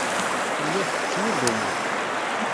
Telliḍ tettnuddumeḍ.